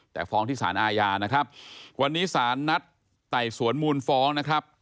แต่ฟ้องที่สารอาญานะครับวันนี้สารนัดไต่สวนมูลฟ้องนะครับ